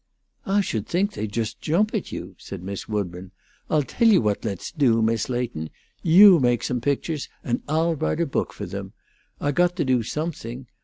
"Ah should think they'd just joamp at you," said Miss Woodburn. "Ah'll tell you what let's do, Miss Leighton: you make some pictures, and Ah'll wrahte a book fo' them. Ah've got to do something.